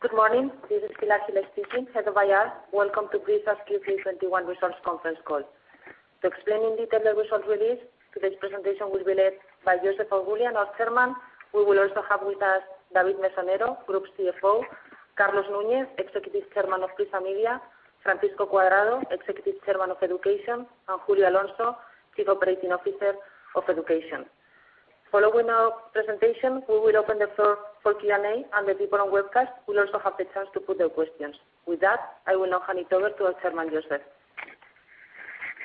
Good morning. This is Pilar Gil speaking, Head of IR. Welcome to PRISA's Q3 2021 results conference call. To explain in detail the results released, today's presentation will be led by Joseph Oughourlian, our Chairman. We will also have with us David Mesonero, Group CFO, Carlos Núñez, Executive Chairman of Prisa Media, Francisco Cuadrado, Executive Chairman of Education, and Julio Alonso, Chief Operating Officer of Education. Following our presentation, we will open the floor for Q&A, and the people on webcast will also have the chance to put their questions. With that, I will now hand it over to our Chairman, Joseph.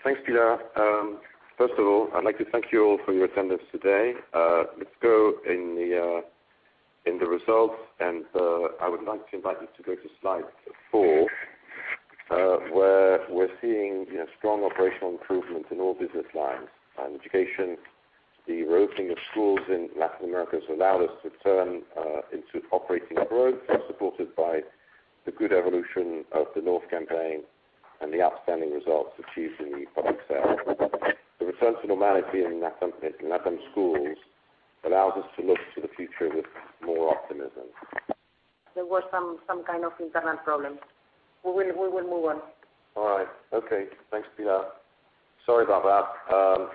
Thanks, Pilar. First of all, I'd like to thank you all for your attendance today. Let's go into the results. I would like to invite you to go to slide four, where we're seeing, you know, strong operational improvement in all business lines and education. The reopening of schools in Latin America has allowed us to turn to operating growth, supported by the good evolution of the Northern campaign and the outstanding results achieved in the public sale. The return to normality in LATAM schools allows us to look to the future with more optimism. There was some kind of internet problem. We will move on. All right. Okay. Thanks, Pilar. Sorry about that.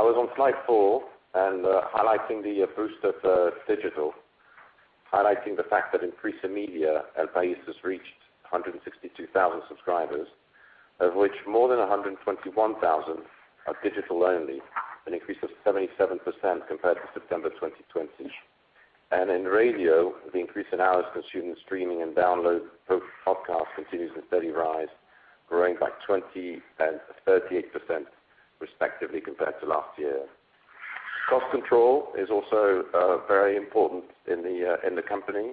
I was on slide four and highlighting the boost of digital. Highlighting the fact that in PRISA Media, El País has reached 162,000 subscribers, of which more than 121,000 are digital only, an increase of 77% compared to September 2020. In radio, the increase in hours consumed in streaming and download podcast continues its steady rise, growing by 20%, 38%, respectively, compared to last year. Cost control is also very important in the company.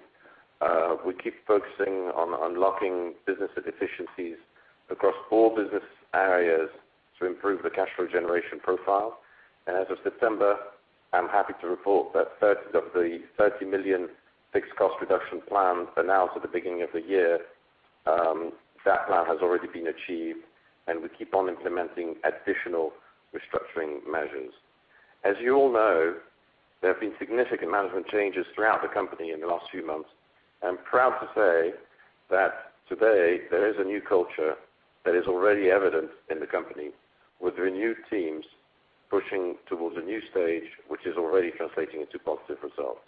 We keep focusing on unlocking business efficiencies across all business areas to improve the cash flow generation profile. As of September, I'm happy to report that 30 of the 30 million fixed cost reduction plan announced at the beginning of the year, that plan has already been achieved, and we keep on implementing additional restructuring measures. As you all know, there have been significant management changes throughout the company in the last few months. I'm proud to say that today there is a new culture that is already evident in the company with renewed teams pushing towards a new stage, which is already translating into positive results.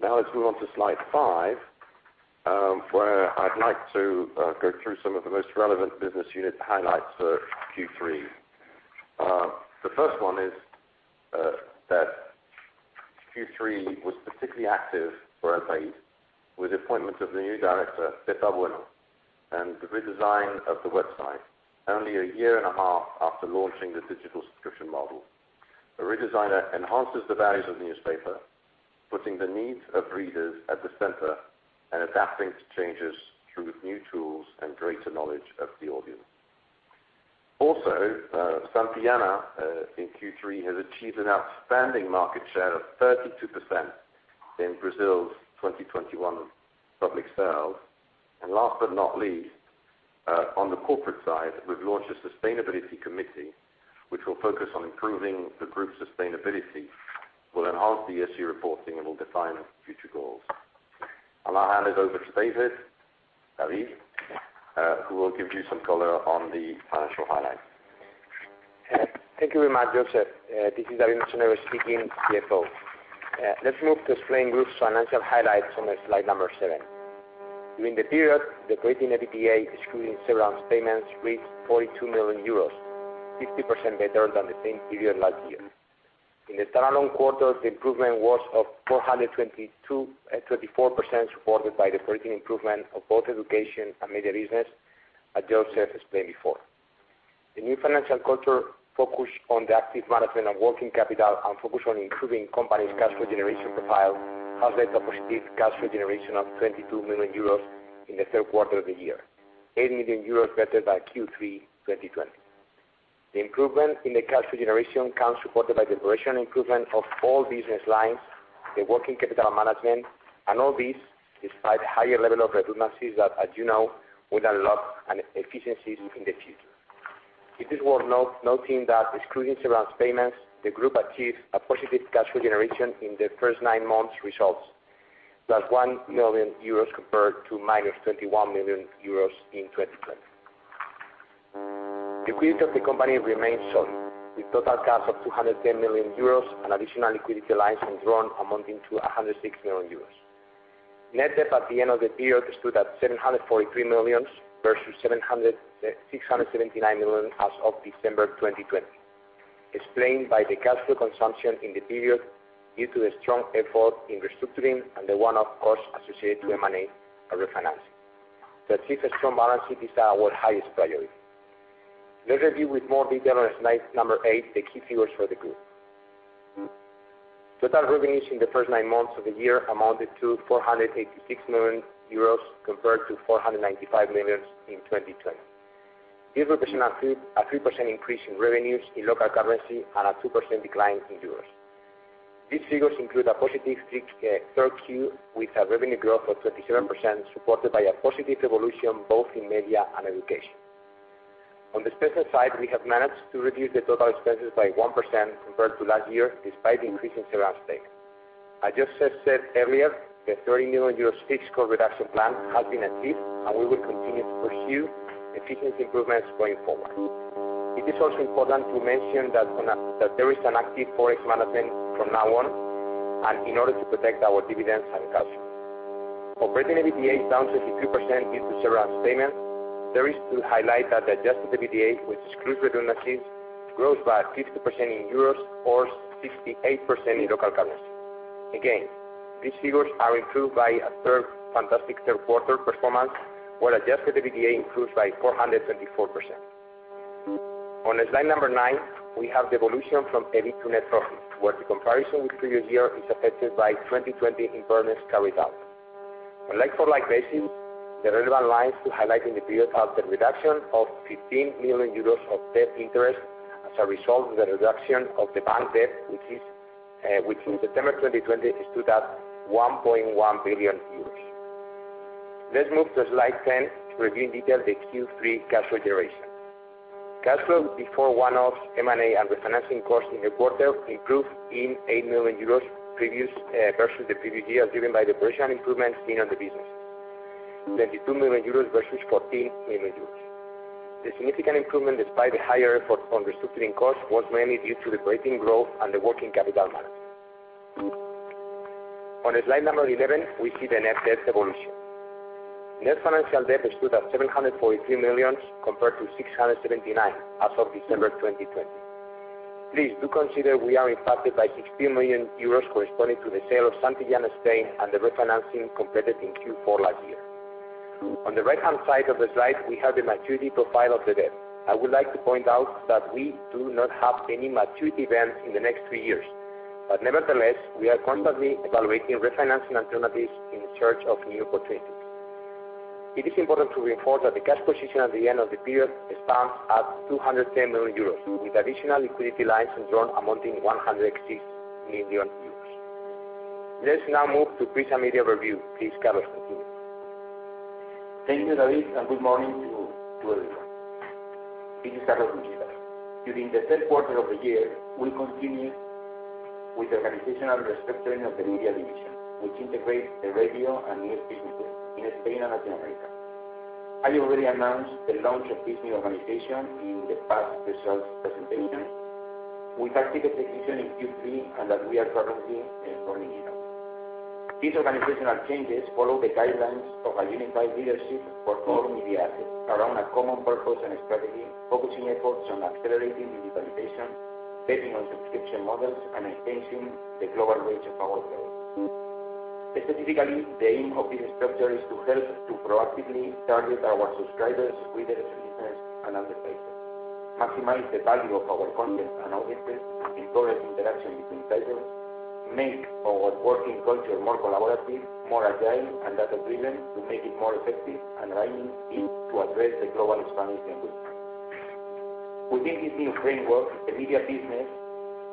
Now, let's move on to slide five, where I'd like to go through some of the most relevant business unit highlights for Q3. The first one is that Q3 was particularly active for El País, with the appointment of the new director, Pepa Bueno, and the redesign of the website only a year and a half after launching the digital subscription model. The redesign enhances the values of the newspaper, putting the needs of readers at the center and adapting to changes through new tools and greater knowledge of the audience. Also, Santillana in Q3 has achieved an outstanding market share of 32% in Brazil's 2021 public sales. Last but not least, on the corporate side, we've launched a sustainability committee, which will focus on improving the group's sustainability, will enhance the ESG reporting, and will define future goals. I'll now hand it over to David, who will give you some color on the financial highlights. Thank you very much, Joseph. This is David Mesonero speaking, CFO. Let's move to explain Group's financial highlights on slide number seven. During the period, the operating EBITDA, excluding severance payments, reached 42 million euros, 50% better than the same period last year. In the standalone quarter, the improvement was of 24%, supported by the 13% improvement of both education and media business, as Joseph explained before. The new financial culture focused on the active management of working capital and focused on improving company's cash flow generation profile has led to a positive cash flow generation of 22 million euros in the third quarter of the year. 8 million euros better than Q3 2020. The improvement in the cash flow generation comes supported by the operational improvement of all business lines, the working capital management, and all this despite higher level of redundancies that, as you know, will unlock efficiencies in the future. It is worth noting that excluding severance payments, the group achieved a positive cash flow generation in the first nine months results,+EUR 1 million compared to -21 million euros in 2020. The liquidity of the company remains solid, with total cash of 210 million euros, an additional undrawn liquidity line amounting to 106 million euros. Net debt at the end of the period stood at 743 million versus 679 million as of December 2020, explained by the cash flow consumption in the period due to the strong effort in restructuring and the one-off costs associated to M&A and refinancing. To achieve a strong balance sheet is our highest priority. Let's review with more detail on slide number eight, the key figures for the group. Total revenues in the first nine months of the year amounted to 486 million euros compared to 495 million in 2020. This represents a 3% increase in revenues in local currency and a 2% decline in Euros. These figures include a positive Q3 with a revenue growth of 27%, supported by a positive evolution both in media and education. On the expense side, we have managed to reduce the total expenses by 1% compared to last year, despite the increase in severance pay. I just said earlier that 30 million euros fixed cost reduction plan has been achieved, and we will continue to pursue efficiency improvements going forward. It is also important to mention that there is an active Forex management from now on, and in order to protect our dividends and cash flow. Operating EBITDA down 52% due to severance payments. It is important to highlight that Adjusted EBITDA, which excludes redundancies, grows by 50% in euros or 68% in local currency. Again, these figures are improved by a third. Fantastic third quarter performance, where Adjusted EBITDA improves by 474%. On slide nine, we have the evolution from EBIT to net profit, where the comparison with previous year is affected by 2020 impairments carried out. On a like-for-like basis, the relevant lines to highlight in the period are the reduction of 15 million euros of debt interest as a result of the reduction of the bank debt, which in September 2020 stood at 1.1 billion euros. Let's move to slide 10 to review in detail the Q3 cash flow generation. Cash flow before one-offs, M&A, and refinancing costs in the quarter improved by 18 million euros versus the previous year, driven by the operational improvements seen in the business. 32 million euros versus 14 million euros. The significant improvement, despite the higher effort on restructuring costs, was mainly due to the operating growth and the working capital management. On slide 11, we see the net debt evolution. Net financial debt stood at 743 million, compared to 679 million as of December 2020. Please do consider we are impacted by 60 million euros corresponding to the sale of Santillana Spain and the refinancing completed in Q4 last year. On the right-hand side of the slide, we have the maturity profile of the debt. I would like to point out that we do not have any maturity events in the next three years. Nevertheless, we are constantly evaluating refinancing alternatives in search of new opportunities. It is important to reinforce that the cash position at the end of the period stands at 210 million euros with additional liquidity lines undrawn amounting 160 million euros. Let's now move to Prisa Media review. Please, Carlos, continue. Thank you, David, and good morning to everyone. This is Carlos Núñez. During the third quarter of the year, we continued with the organizational restructuring of the media division, which integrates the radio and news businesses in Spain and Latin America. I already announced the launch of this new organization in the past results presentation. We have taken the decision in Q3, and that we are currently implementing it. These organizational changes follow the guidelines of a unified leadership for all media assets around a common purpose and strategy, focusing efforts on accelerating digitalization, betting on subscription models, and extending the global reach of our brands. Specifically, the aim of the restructure is to help to proactively target our subscribers, readers, listeners and advertisers, maximize the value of our content and audiences, encourage interaction between titles, make our working culture more collaborative, more agile, and data-driven to make it more effective, and align teams to address the global Spanish language. Within this new framework, the media business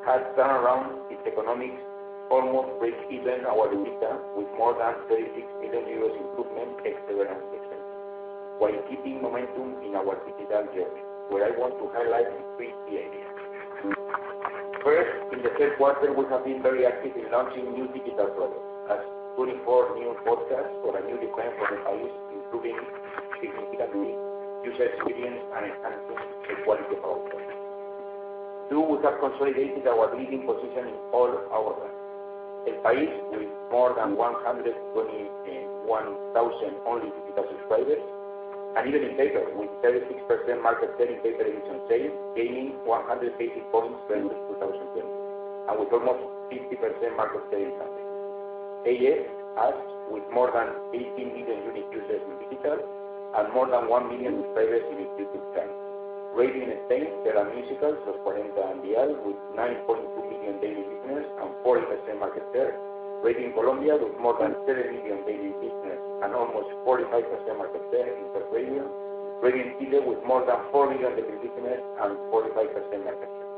has turned around its economics, almost breaking even our EBITDA with more than 36 million euros improvement ex severance expenses, while keeping momentum in our digital journey, where I want to highlight three key ideas. First, in the third quarter, we have been very active in launching new digital products, as 24 new podcasts for our new defined brand, El País, improving significantly user experience and enhancing the quality of our offering. Two, we have consolidated our leading position in all of our brands. El País, with more than 121,000 only digital subscribers, and even in paper, with 36% market share in paper edition sales, gaining 180 points vs 2020, and with almost 50% market share in tablets. AS, with more than 18 million unique users in digital and more than one million subscribers in its YouTube channel. Radio in Spain, Cadena SER, LOS40, and Cadena Dial, with 9.2 million daily listeners and 40% market share. Radio in Colombia with more than 30 million daily listeners and almost 45% market share in subscription. Radio in Chile with more than four million daily listeners and 45% market share.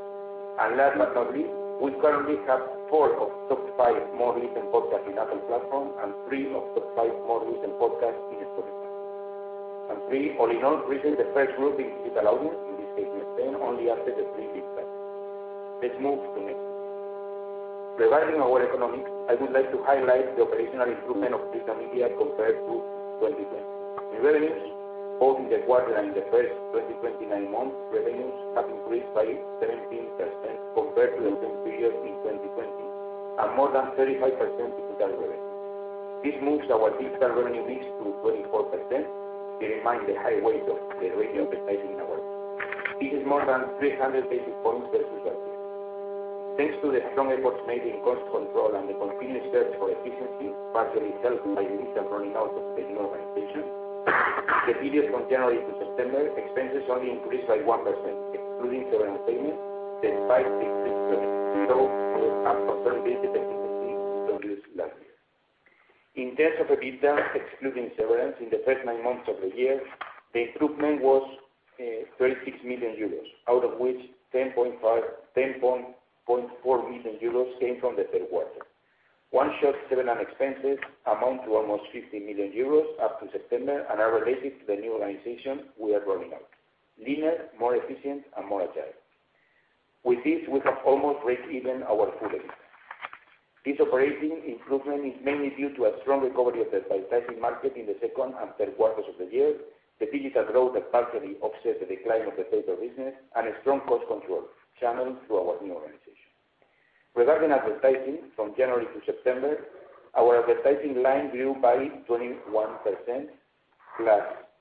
We currently have four of top five more listened podcasts in Apple platform, and three of top five more listened podcasts in Spotify. Three, all in all, reaching the first group in digital audience, in this case in Spain, only after the three big players. Let's move to next. Regarding our economics, I would like to highlight the operational improvement of Prisa Media compared to 2020. In revenues, both in the quarter and the first nine months, revenues have increased by 17% compared to the same period in 2020, and more than 35% digital revenue. This moves our digital revenue mix to 24%, despite the high weight of the radio advertising in our group. This is more than 300 basis points versus last year. Thanks to the strong efforts made in cost control and the continuous search for efficiency, partially helped by the initial running out of the new organization, in the period from January to September, expenses only increased by 1%, despite the increased costs. We have confirmed the efficiency we introduced last year. In terms of EBITDA, excluding severance, in the first nine months of the year, the improvement was 36 million euros, out of which 10.4 million euros came from the third quarter. One-off severance expenses amount to almost 50 million euros up to September and are related to the new organization we are rolling out, leaner, more efficient and more agile. With this, we have almost break even our full year. This operating improvement is mainly due to a strong recovery of the advertising market in the second and third quarters of the year, the digital growth that partially offset the decline of the paper business, and a strong cost control channeled through our new organization. Regarding advertising from January to September, our advertising line grew by 21%, +18%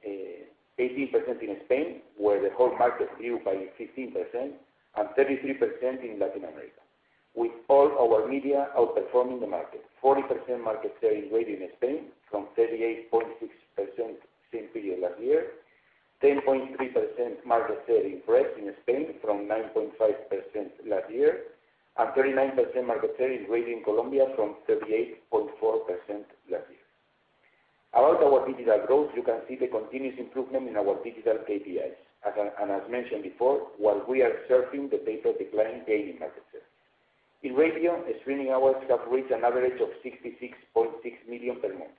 in Spain, where the whole market grew by 15% and 33% in Latin America. With all our media outperforming the market, 40% market share in radio in Spain from 38.6% same period last year, 10.3% market share in press in Spain from 9.5% last year, and 39% market share in radio in Colombia from 38.4% last year. About our digital growth, you can see the continuous improvement in our digital KPIs. As mentioned before, while we are surfing the paper decline, gaining market share. In radio, the streaming hours have reached an average of 66.6 million per month,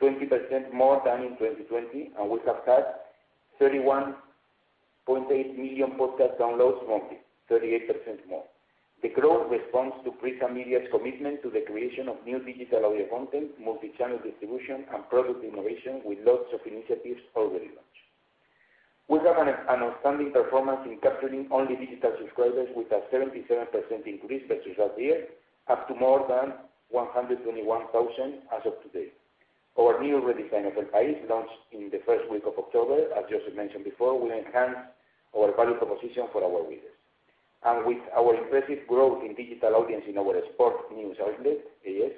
20% more than in 2020, and we have had 31.8 million podcast downloads monthly, 38% more. The growth responds to PRISA Media's commitment to the creation of new digital audio content, multi-channel distribution and product innovation, with lots of initiatives already launched. We have an outstanding performance in capturing only digital subscribers with a 77% increase versus last year, up to more than 121,000 as of today. Our new redesign of El País, launched in the first week of October, as José mentioned before, will enhance our value proposition for our readers. With our impressive growth in digital audience in our sport news outlet, AS,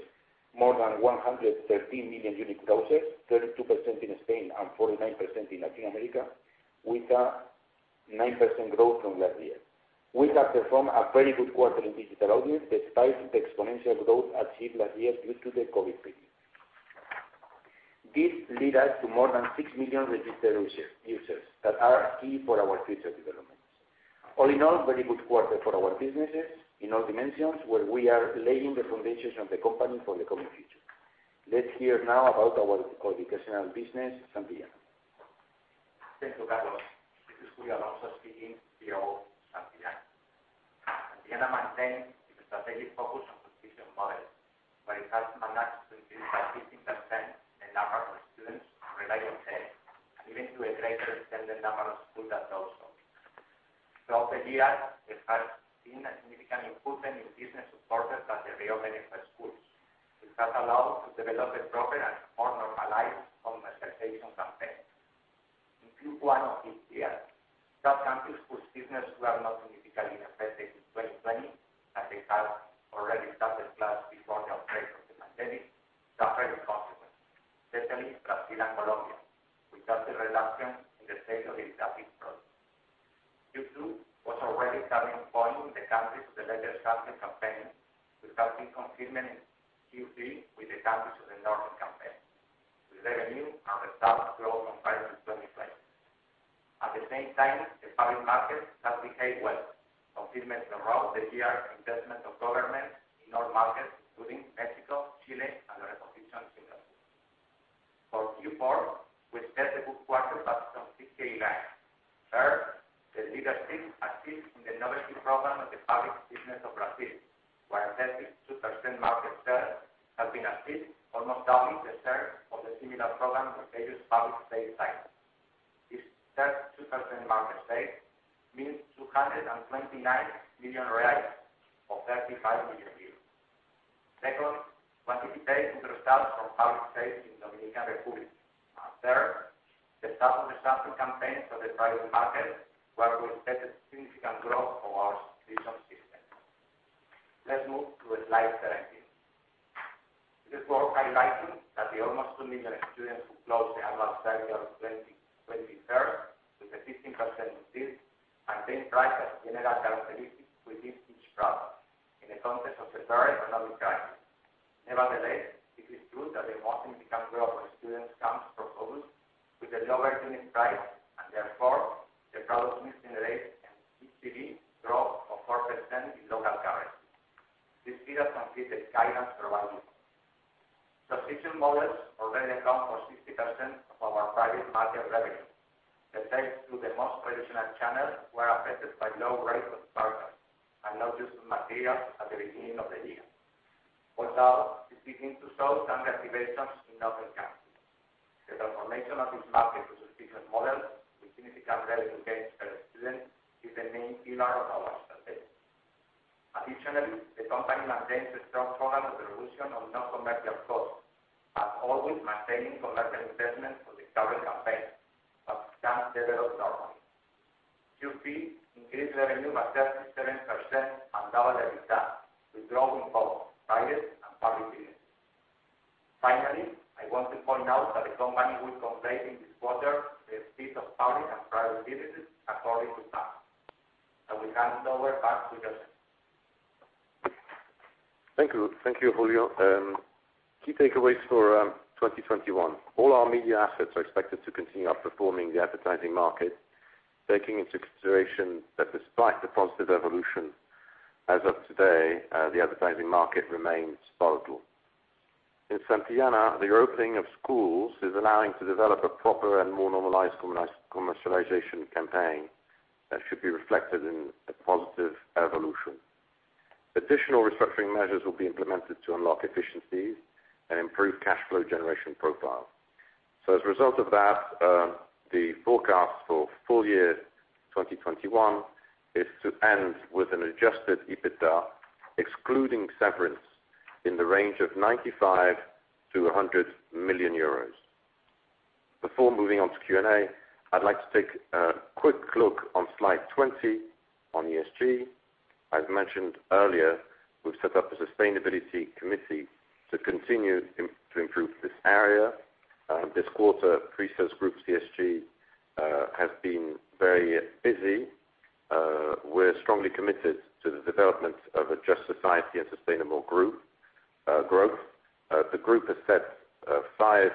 more than 113 million unique browsers, 32% in Spain and 49% in Latin America, with a 9% growth from last year. We have performed a very good quarter in digital audience, despite the exponential growth achieved last year due to the COVID period. This led us to more than six million registered users that are key for our future developments. All in all, very good quarter for our businesses in all dimensions, where we are laying the foundations of the company for the coming future. Let's hear now about our educational business, Santillana. Thank you, Carlos. This is Julio Alonso speaking, COO of Santillana. Santillana maintains its strategic focus on subscription models, where it has managed to increase by 15% the number of students relating to it and even to a greater extent, the number of schools that also. Throughout the year, we have seen a significant improvement in business supported by the reopening of schools, which has allowed to develop a proper and more normalized commercialization campaign. In Q1 of this year, some countries whose business were not significantly affected in 2020, as they had already started class before the outbreak of the pandemic, suffered the consequences, especially Brazil and Colombia, which had a reduction in the sales of its textbook products. Q2 was already a turning point in the countries of the southern campaign, which has been confirmed in Q3 with the countries of the northern campaign, with revenue and results growth compared to 2020. At the same time, the public market has behaved well, confirming throughout the year investment Additionally, the company maintains a strong program of reduction of non-commercial costs, as always maintaining collective investment for the current campaign that can develop normally. Q3 increased revenue by 37% and double the result, with growth in both private and public business. Finally, I want to point out that the company will complete in this quarter the split of public and private businesses according to plan. I will hand it over back to Joseph. Thank you. Thank you, Julio. Key takeaways for 2021. All our media assets are expected to continue outperforming the advertising market, taking into consideration that despite the positive evolution as of today, the advertising market remains volatile. In Santillana, the opening of schools is allowing to develop a proper and more normalized commercialization campaign that should be reflected in a positive evolution. Additional restructuring measures will be implemented to unlock efficiencies and improve cash flow generation profile. As a result of that, the forecast for full year 2021 is to end with an Adjusted EBITDA, excluding severance, in the range of 95 million-100 million euros. Before moving on to Q&A, I'd like to take a quick look on slide 20 on ESG. As mentioned earlier, we've set up a sustainability committee to continue to improve this area. This quarter, PRISA's group ESG has been very busy. We're strongly committed to the development of a just society and sustainable group growth. The group has set five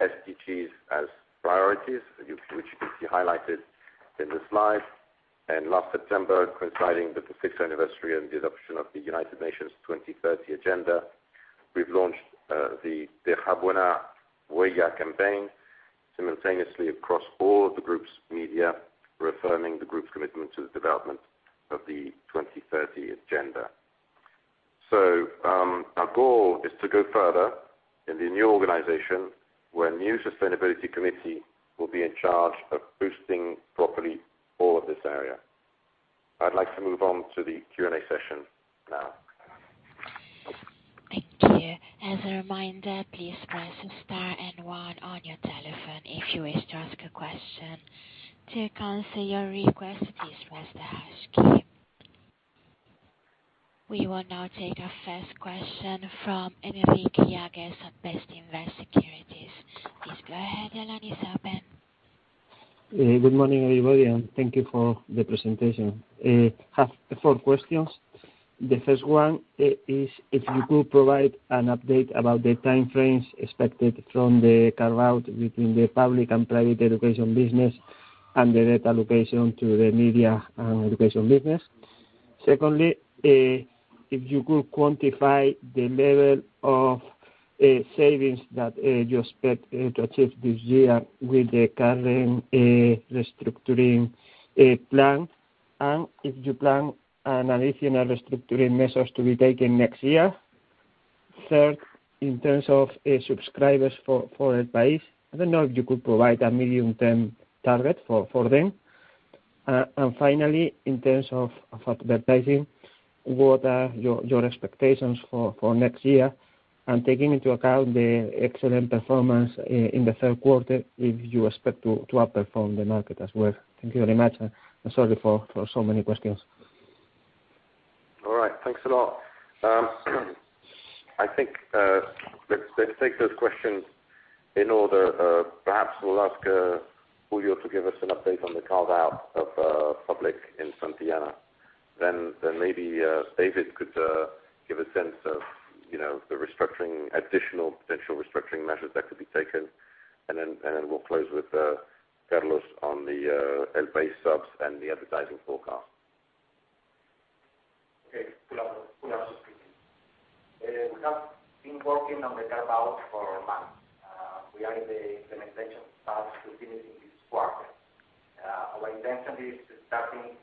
SDGs as priorities, which you can see highlighted in the slide. Last September, coinciding with the sixth anniversary and the adoption of the United Nations 2030 Agenda, we've launched the Deja Buena Huella campaign simultaneously across all the group's media, reaffirming the group's commitment to the development of the 2030 Agenda. Our goal is to go further in the new organization, where new sustainability committee will be in charge of boosting properly all of this area. I'd like to move on to the Q&A session now. Thank you. As a reminder, please press star and one on your telephone if you wish to ask a question. To cancel your request, please press the hash key. We will now take our first question from Enrique Yáguez at Bestinver Securities. Please go ahead, the line is open. Good morning, everybody, and thank you for the presentation. I have four questions. The first one is if you could provide an update about the time frames expected from the carve-out between the public and private education business and the net allocation to the media and education business. Secondly, if you could quantify the level of savings that you expect to achieve this year with the current restructuring plan. If you plan any additional restructuring measures to be taken next year. Third, in terms of subscribers for El País, I don't know if you could provide a medium-term target for them. Finally, in terms of advertising, what are your expectations for next year? Taking into account the excellent performance in the third quarter, if you expect to outperform the market as well? Thank you very much, and sorry for so many questions. All right. Thanks a lot. I think let's take those questions in order. Perhaps we'll ask Julio to give us an update on the carve-out of publishing in Santillana. Maybe David could give a sense of, you know, the restructuring, additional potential restructuring measures that could be taken. We'll close with Carlos on the El País subs and the advertising forecast. Okay. Julio speaking. We have been working on the carve out for months. We are in the implementation phase to finish in this quarter. Our intention is to start in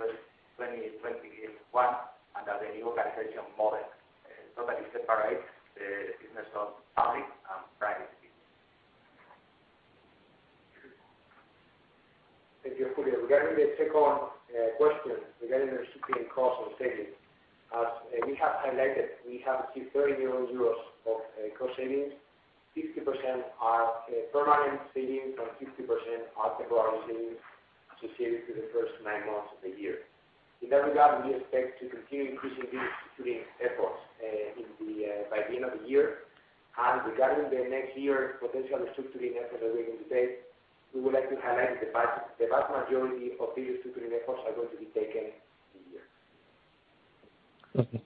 first 2021 under the new organization model, totally separate the business of public and private business. Thank you, Julio. Regarding the second question regarding the recurring costs and savings, as we have highlighted, we have achieved 30 million euros of cost savings. 50% are permanent savings, and 50% are temporary savings associated to the first nine months of the year. In that regard, we expect to continue increasing these savings efforts by the end of the year. Regarding the next year potential restructuring effort that we're going to take, we would like to highlight the vast majority of these restructuring efforts are going to be taken this year. Okay.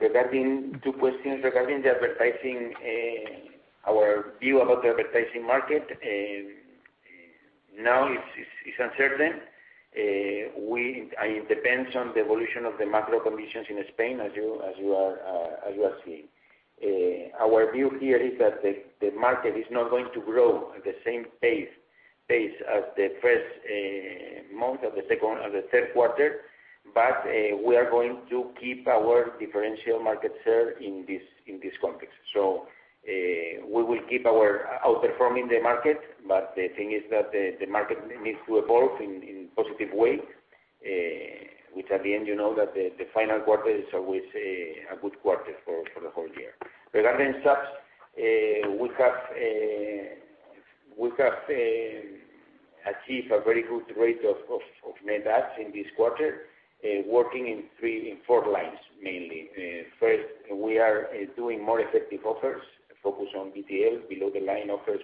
Regarding two questions regarding the advertising, our view about the advertising market, now it's uncertain. It depends on the evolution of the macro conditions in Spain as you are seeing. Our view here is that the market is not going to grow at the same pace as the first month of the second and the third quarter. We are going to keep our differential market share in this context. We will keep our outperforming the market, but the thing is that the market needs to evolve in positive way. Which at the end, you know that the final quarter is always a good quarter for the whole year. Regarding subs, we have achieved a very good rate of net adds in this quarter, working in four lines, mainly. First, we are doing more effective offers, focused on BTL, below the line offers.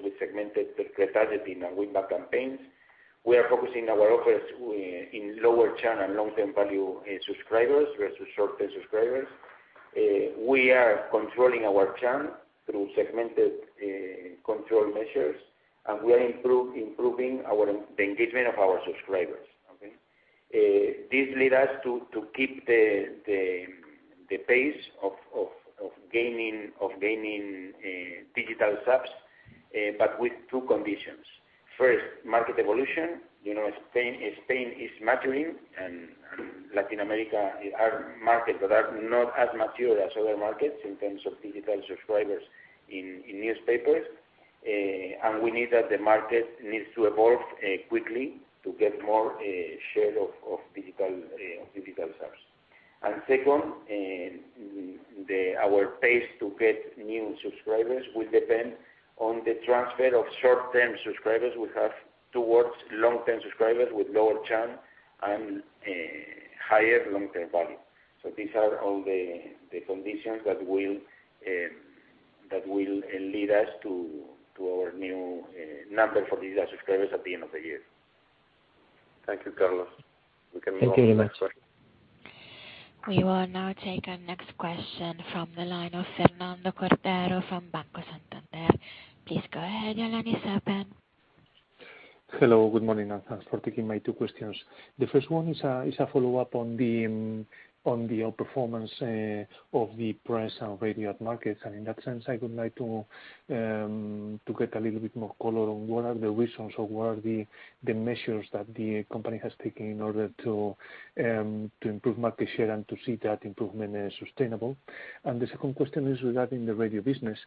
We are focusing our offers with lower churn and long-term value subscribers versus short-term subscribers. We are controlling our churn through segmented control measures, and we are improving the engagement of our subscribers. Okay. This lead us to keep the pace of gaining digital subs, but with two conditions. First, market evolution. You know, Spain is maturing, and Latin America are markets that are not as mature as other markets in terms of digital subscribers in newspapers. We need that the market needs to evolve quickly to get more share of digital subs. Second, our pace to get new subscribers will depend on the transfer of short-term subscribers we have towards long-term subscribers with lower churn and higher long-term value. These are all the conditions that will lead us to our new number for digital subscribers at the end of the year. Thank you, Carlos. We can move on. Thank you very much. We will now take our next question from the line of Fernando Quintero from Banco Santander. Please go ahead. Your line is open. Hello. Good morning, and thanks for taking my two questions. The first one is a follow-up on the outperformance of the press and radio markets. In that sense, I would like to get a little bit more color on what are the reasons or what are the measures that the company has taken in order to improve market share and to see that improvement is sustainable. The second question is regarding the radio business,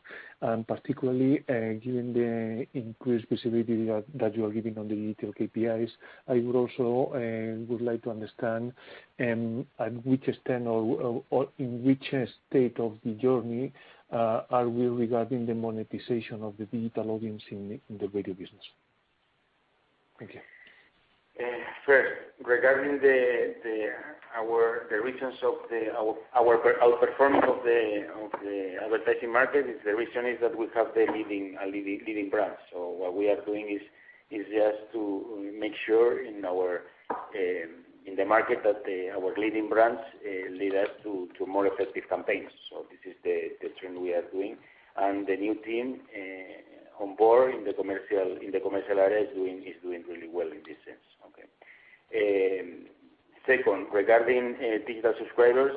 and particularly, given the increased visibility that you are giving on the retail KPIs, I would also like to understand at which extent or in which state of the journey are we regarding the monetization of the digital audience in the radio business. Thank you. First, regarding our outperforming of the advertising market, the reason is that we have the leading brands. What we are doing is just to make sure in our market that our leading brands lead us to more effective campaigns. This is the trend we are doing. The new team on board in the commercial area is doing really well in this sense, okay. Second, regarding digital subscribers,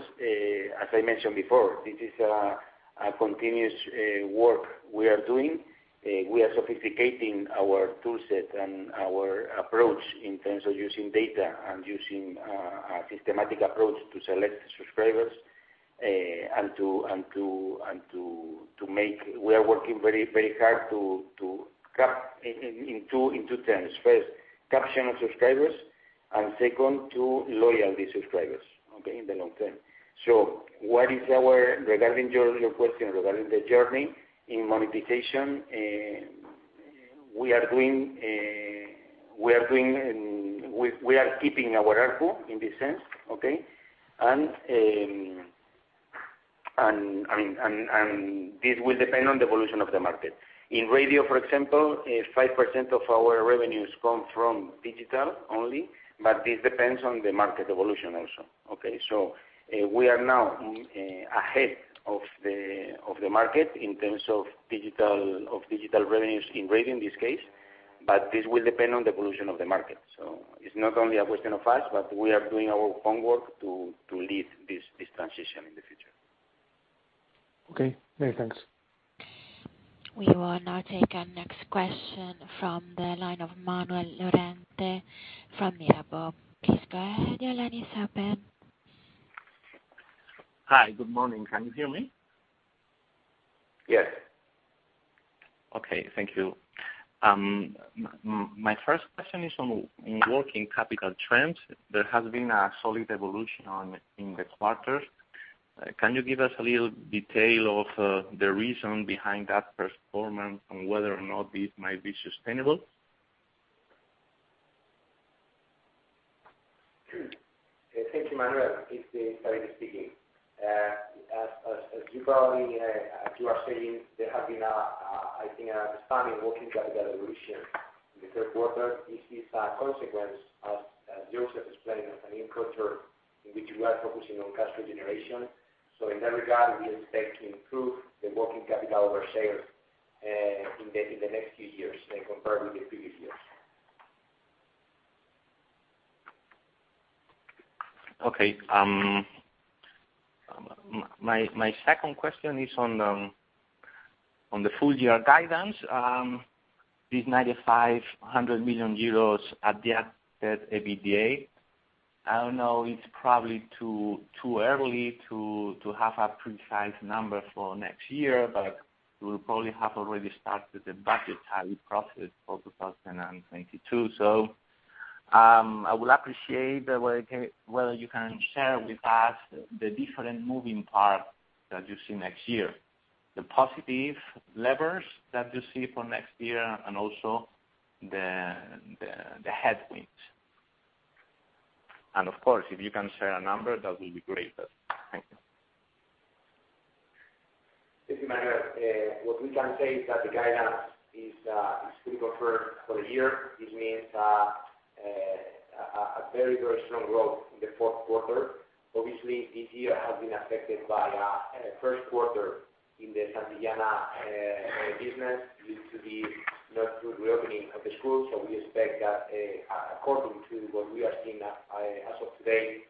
as I mentioned before, this is a continuous work we are doing. We are sophisticating our tool set and our approach in terms of using data and using a systematic approach to select subscribers and to make... We are working very hard to capture in two terms. First, capture of subscribers, and second, to loyalize subscribers, okay, in the long term. Regarding your question regarding the journey in monetization, we are keeping our effort in this sense, okay? This will depend on the evolution of the market. In radio, for example, 5% of our revenues come from digital only, but this depends on the market evolution also, okay? We are now ahead of the market in terms of digital revenues in radio in this case, but this will depend on the evolution of the market. It's not only a question of us, but we are doing our homework to lead this transition in the future. Okay. Many thanks. We will now take our next question from the line of Manuel Lorente from Mirabaud. Please go ahead. Your line is open. Hi. Good morning. Can you hear me? Yes. Okay. Thank you. My first question is on working capital trends. There has been a solid evolution in the quarters. Can you give us a little detail of the reason behind that performance and whether or not this might be sustainable? Thank you, Manuel. It's David speaking. As you probably are saying, there have been, I think, an expanding working capital evolution in the third quarter. This is a consequence, as Joseph explained, of a new culture in which we are focusing on cash generation. In that regard, we expect to improve the working capital of our sales in the next few years compared with the previous years. My second question is on the full-year guidance. This 95 million-100 million euros Adjusted EBITDA. I don't know, it's probably too early to have a precise number for next year, but you will probably have already started the budget planning process for 2022. I would appreciate whether you can share with us the different moving parts that you see next year, the positive levers that you see for next year and also the headwinds. Of course, if you can share a number, that will be great. Thank you. Thank you, Manuel. What we can say is that the guidance is pretty confirmed for the year. This means very strong growth in the fourth quarter. Obviously, this year has been affected by first quarter in the Santillana business due to the not good reopening of the schools. We expect that according to what we are seeing as of today,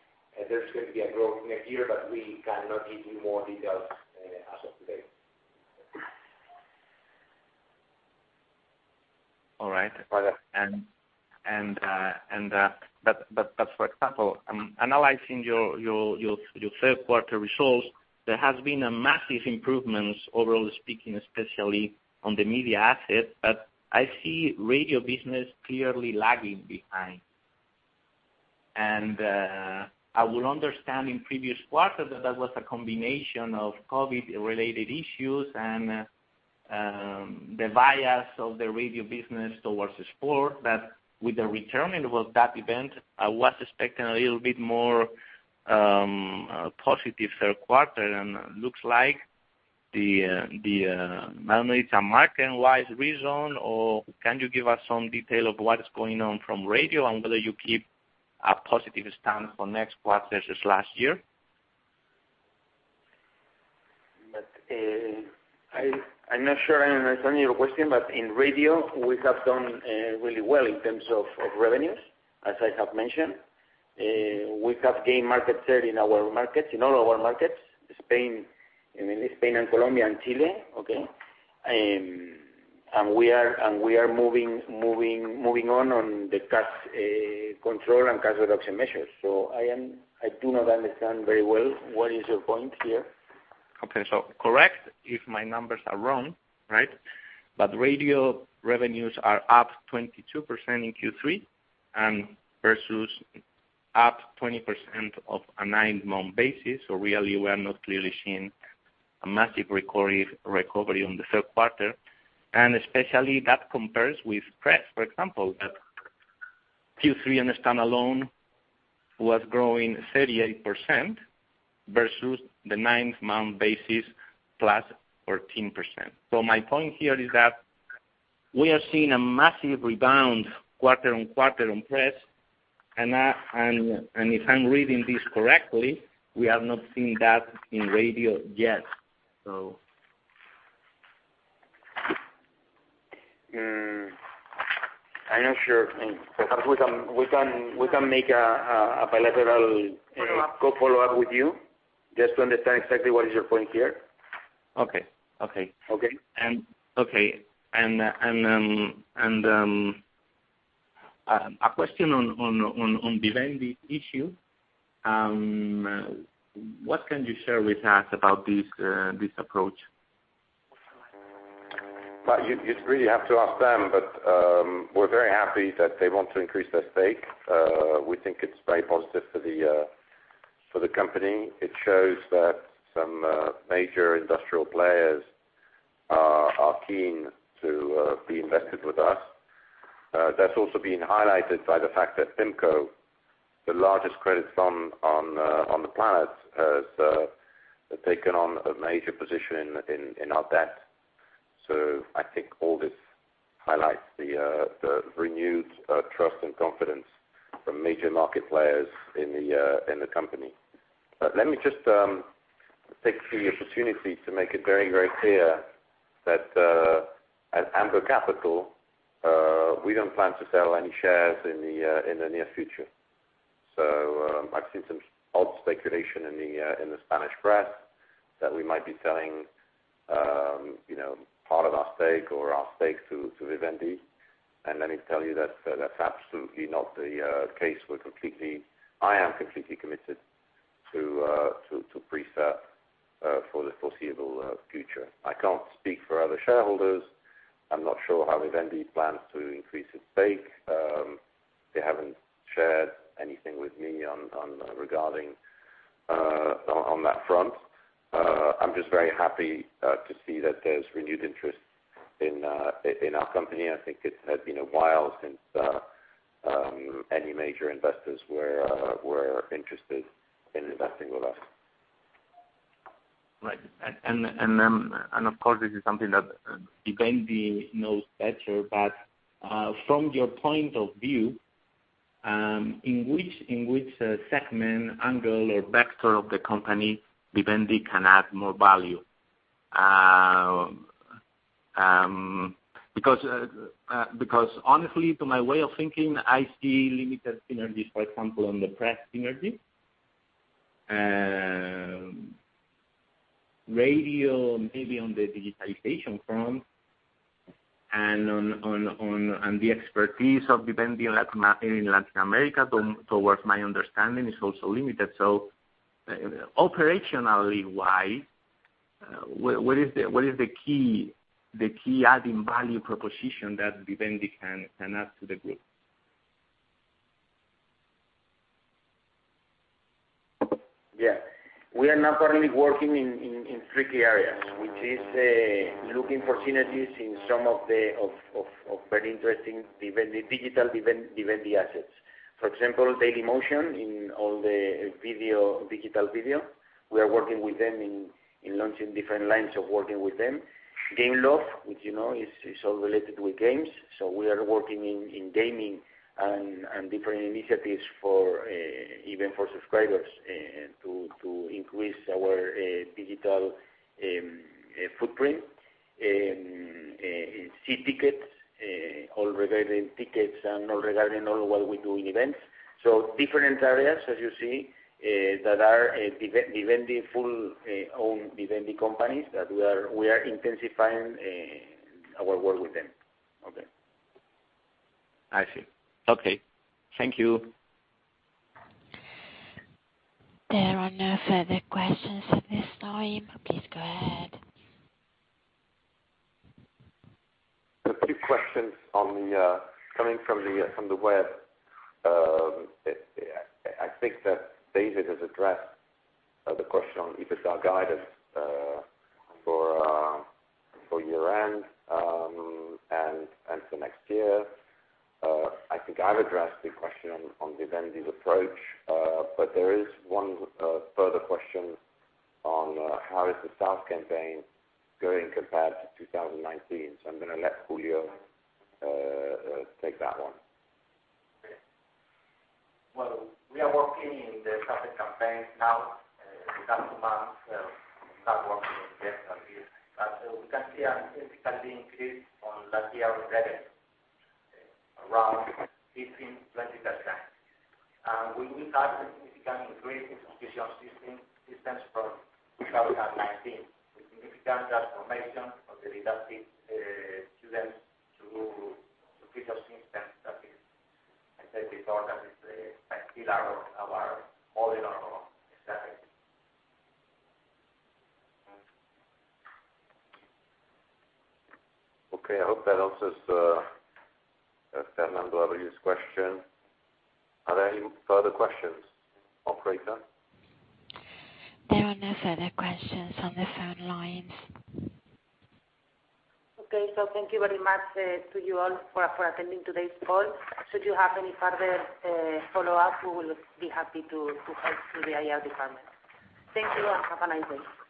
there's going to be a growth next year, but we cannot give you more details as of today. All right. Got it. But for example, analyzing your third quarter results, there has been a massive improvements, overall speaking, especially on the media asset, but I see radio business clearly lagging behind. I would understand in previous quarters that was a combination of COVID-related issues and the bias of the radio business towards sport. But with the return of that event, I was expecting a little bit more positive third quarter. Looks like I don't know if it's a market-wise reason or can you give us some detail of what is going on from radio and whether you keep a positive stance for next quarter versus last year? I'm not sure I understand your question, but in radio, we have done really well in terms of revenues, as I have mentioned. We have gained market share in our markets, in all our markets, Spain, I mean Spain and Colombia and Chile. Okay. We are moving on the cash control and cash reduction measures. I do not understand very well what is your point here. Okay. Correct if my numbers are wrong, right? Radio revenues are up 22% in Q3 versus up 20% on a nine-month basis. Really, we are not clearly seeing a massive recovery in the third quarter. Especially that compares with press, for example, that Q3 standalone was growing 38% versus the nine-month basis +14%. My point here is that we are seeing a massive rebound quarter-on-quarter on press. If I'm reading this correctly, we have not seen that in radio yet. I'm not sure. Perhaps we can make a bilateral- Follow-up. To follow up with you just to understand exactly what is your point here? Okay. Okay. Okay. Okay. A question on Vivendi issue. What can you share with us about this approach? Well, you'd really have to ask them, but we're very happy that they want to increase their stake. We think it's very positive for the company. It shows that some major industrial players are keen to be invested with us. That's also been highlighted by the fact that PIMCO, the largest credit fund on the planet, has taken on a major position in our debt. I think all this highlights the renewed trust and confidence from major market players in the company. Let me just take the opportunity to make it very, very clear that at Amber Capital we don't plan to sell any shares in the near future. I've seen some odd speculation in the Spanish press that we might be selling, you know, part of our stake or our stake to Vivendi. Let me tell you that that's absolutely not the case. I am completely committed to PRISA for the foreseeable future. I can't speak for other shareholders. I'm not sure how Vivendi plans to increase its stake. They haven't shared anything with me on that front. I'm just very happy to see that there's renewed interest in our company. I think it's had been a while since any major investors were interested in investing with us. Right. Of course, this is something that Vivendi knows better. From your point of view, in which segment, angle, or vector of the company Vivendi can add more value? Because honestly, to my way of thinking, I see limited synergies, for example, on the press synergy. Radio maybe on the digitalization front and the expertise of Vivendi in Latin America to my understanding is also limited. Operationally wise, what is the key adding value proposition that Vivendi can add to the group? Yeah. We are now currently working in three key areas, which is looking for synergies in some of the very interesting Vivendi digital Vivendi assets. For example, Dailymotion in all the video digital video. We are working with them in launching different lines of working with them. Gameloft, which you know is all related with games, so we are working in gaming and different initiatives even for subscribers to increase our digital footprint. In See Tickets all regarding tickets and all regarding what we do in events. Different areas, as you see, that are Vivendi fully owned Vivendi companies that we are intensifying our work with them. Okay. I see. Okay. Thank you. There are no further questions at this time. Please go ahead. A few questions coming from the web. I think that David has addressed the question on EBITDA guidance for year-end and for next year. I think I've addressed the question on Vivendi's approach, but there is one further question on how is the sales campaign going compared to 2019. I'm gonna let Julio take that one. Well, we are working in the sales campaign now, the last two months. We start working with... We can see a significant increase on last year's revenue, around 15%-20%. We had a significant increase in subscription systems from 2019, with significant transformation of the didactic students to subscription systems that is, I said before, that is a pillar of our all in our strategy. Okay. I hope that answers Fernando Quintero's question. Are there any further questions, operator? There are no further questions on the phone lines. Okay. Thank you very much to you all for attending today's call. Should you have any further follow-up, we will be happy to help through the IR department. Thank you all. Have a nice day.